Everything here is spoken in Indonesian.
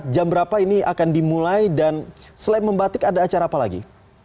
jam berapa ini akan dimulai dan selain membatik ada acara apa lagi